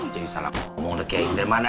jadi salah ngomong kayak yang dari mana